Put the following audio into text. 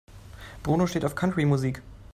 Bruno steht auf Country-Musik.